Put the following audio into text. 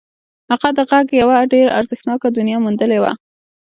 هغه د غږ یوه ډېره ارزښتناکه دنیا موندلې وه